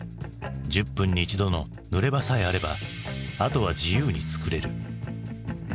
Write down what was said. １０分に１度の濡れ場さえあればあとは自由に作れる。